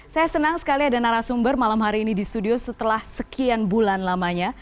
saya senang sekali ada narasumber malam hari ini di studio setelah sekian bulan lamanya